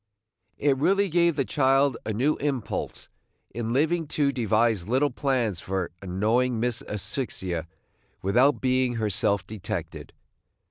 It really gave the child a new impulse in living to devise little plans for annoying Miss Asphyxia without being herself detected.